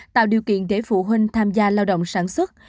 tạo điều kiện để phụ huynh tham gia lao động sản xuất